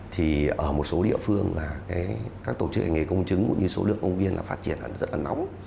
thì ở một số địa phương là các tổ chức hành nghề công chứng cũng như số lượng công viên là phát triển rất là nóng